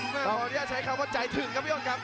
แม่ฮอร์เดียใช้คำว่าใจถึงครับพี่ย้อนครับ